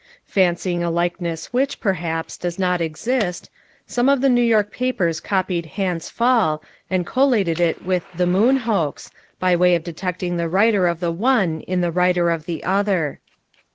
Fancying a likeness which, perhaps, does not exist, some of the New York papers copied "Hans Pfaall," and collated it with the "Moon Hoax," by way of detecting the writer of the one in the writer of the other.